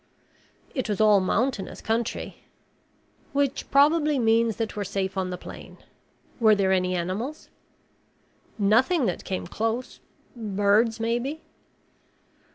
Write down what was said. "It was all mountainous country." "Which probably means that we're safe on the plain. Were there any animals?" "Nothing that came close. Birds maybe."